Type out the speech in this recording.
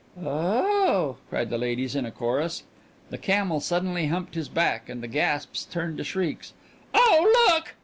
"O o oh!" cried the ladies in a chorus. The camel suddenly humped his back, and the gasps turned to shrieks. "Oh look!"